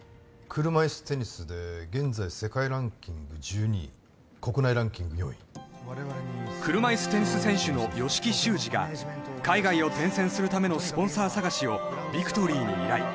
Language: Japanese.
車いすテニスで現在世界ランキング１２位国内ランキング４位車いすテニス選手の吉木修二が海外を転戦するためのスポンサー探しをビクトリーに依頼